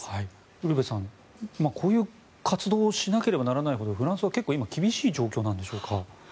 ウルヴェさんこういう活動をしなければならないほどフランスは結構今、厳しい状況なんでしょうか。